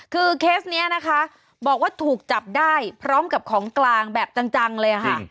คือเคสนี้นะคะบอกว่าถูกจับได้พร้อมกับของกลางแบบจังเลยค่ะ